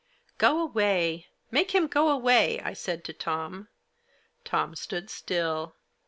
" Go away ! Make him go away !" I said to Tom. Tom stood still.